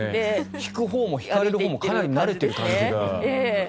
引くほうも引かれるほうもかなり慣れてる感じが。